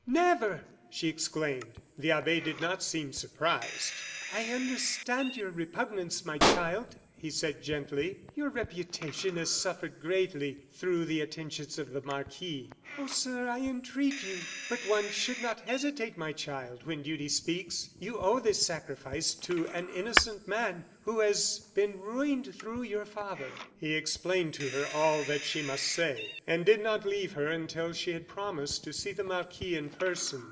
never!" she exclaimed. The abbe did not seem surprised. "I understand your repugnance, my child," he said, gently; "your reputation has suffered greatly through the attentions of the marquis." "Oh! sir, I entreat you." "But one should not hesitate, my child, when duty speaks. You owe this sacrifice to an innocent man who has been ruined through your father." He explained to her all that she must say, and did not leave her until she had promised to see the marquis in person.